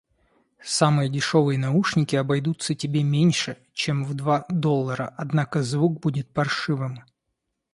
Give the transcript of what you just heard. Самые дешёвые наушники обойдутся тебе меньше, чем в два доллара, однако звук будет паршивым.